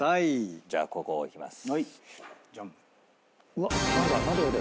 じゃあここいきます。